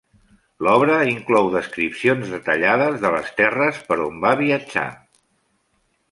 L'obra inclou descripcions detallades de les terres per on va viatjar.